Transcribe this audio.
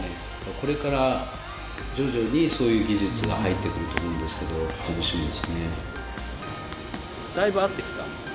これから徐々にそういう技術が入ってくると思うんですけど楽しみですね。